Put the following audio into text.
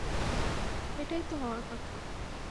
এটাই তো হওয়ার কথা!